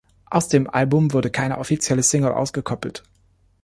Aus dem Album wurde keine offizielle Single ausgekoppelt.